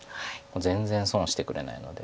全然損してくれないので。